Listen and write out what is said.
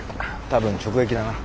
多分直撃だな。